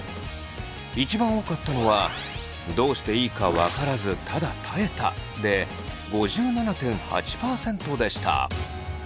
一番多かったのは「どうしていいか分からずただ耐えた」で５７．８％でした。